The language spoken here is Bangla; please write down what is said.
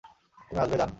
তুমি আসবে, যান।